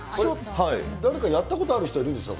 誰かやったことある人いるんですか？